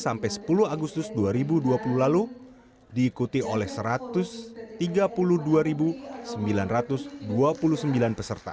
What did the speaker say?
sampai sepuluh agustus dua ribu dua puluh lalu diikuti oleh satu ratus tiga puluh dua sembilan ratus dua puluh sembilan peserta